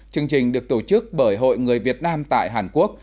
chương trình được tổ chức bởi hội người việt nam tại hàn quốc